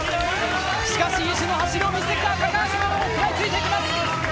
しかし、意地の走りを見せてきた高橋ママ食らいついていきます。